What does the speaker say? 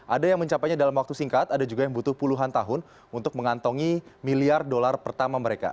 ada yang mencapainya dalam waktu singkat ada juga yang butuh puluhan tahun untuk mengantongi miliar dolar pertama mereka